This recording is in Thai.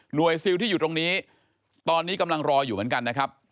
ซิลที่อยู่ตรงนี้ตอนนี้กำลังรออยู่เหมือนกันนะครับ